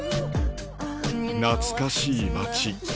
懐かしい町